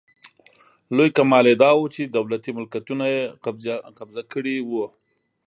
لوی کمال یې داوو چې دولتي ملکیتونه یې قبضه کړي وو.